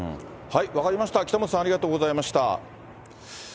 分かりました、北本さん、ありがとうございました。